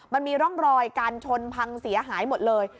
มันมีร่องรอยการชนพังเสียหายหมดเลย